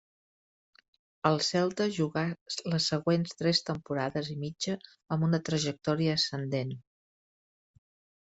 Al Celta jugà les següents tres temporades i mitja amb una trajectòria ascendent.